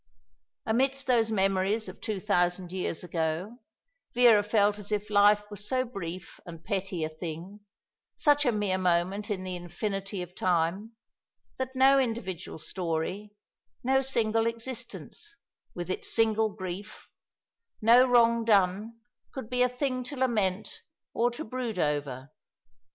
Amidst those memories of two thousand years ago, Vera felt as if life were so brief and petty a thing, such a mere moment in the infinity of time, that no individual story, no single existence, with its single grief, no wrong done, could be a thing to lament or to brood over.